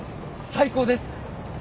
最高です！